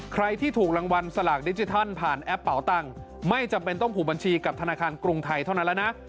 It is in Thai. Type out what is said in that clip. ใครที่ถูกรางวัลสลากดิจิทัลผ่านแอปเป่าตังค์ไม่จำเป็นต้องผูกบัญชีกับธนาคารกรุงไทยเท่านั้นแล้วนะ